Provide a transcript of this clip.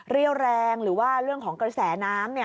เรี่ยวแรงหรือว่าเรื่องของกระแสน้ำ